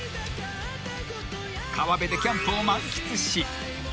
［川辺でキャンプを満喫し］